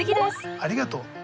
ありがとう。